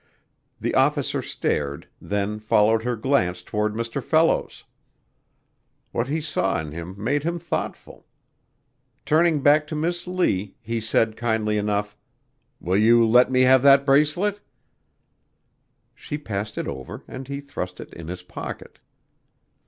The officer stared, then followed her glance toward Mr. Fellows. What he saw in him made him thoughtful. Turning back to Miss Lee, he said kindly enough, "Will you let me have that bracelet?" She passed it over and he thrust it in his pocket.